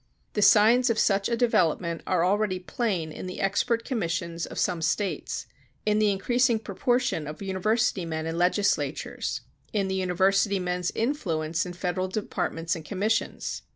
The signs of such a development are already plain in the expert commissions of some States; in the increasing proportion of university men in legislatures; in the university men's influence in federal departments and commissions.